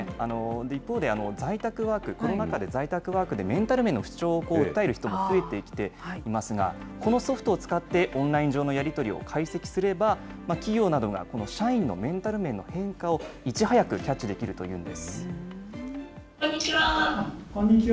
一方で、在宅ワーク、コロナ禍で在宅ワークでメンタル面の不調を訴える人も増えてきていますが、このソフトを使って、オンライン上のやり取りを解析すれば、企業などが社員のメンタル面の変化をいち早くキャッチできるというんこんにちは。